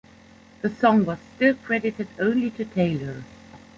The song was still credited only to Taylor.